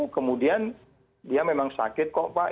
kemudian dia memang sakit kok pak